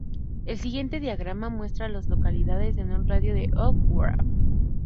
El siguiente diagrama muestra a las localidades en un radio de de Oak Grove.